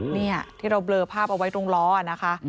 นี่ที่เราเบลอภาพเอาไว้ตรงล้อนะคะ